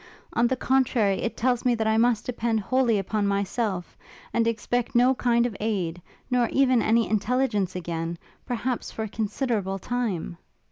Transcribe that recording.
on the contrary, it tells me that I must depend wholly upon myself, and expect no kind of aid, nor even any intelligence again, perhaps for a considerable time!'